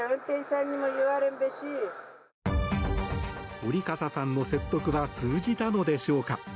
折笠さんの説得は通じたのでしょうか。